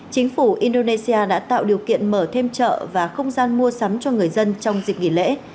chính phủ indonesia đã tạo điều kiện mở thêm chợ và không gian mua sắm cho người dân trong dịp nghỉ lễ